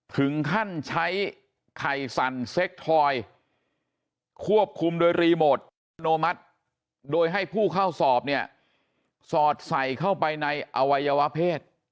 ถึงขั้นใช้ไข่สั่นเซ็กทอยควบคุมโดยรีโมทอัตโนมัติโดยให้ผู้เข้าสอบเนี่ยสอดใส่เข้าไปในอวัยวะเพศ